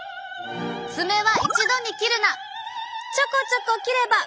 「爪は一度に切るな！」。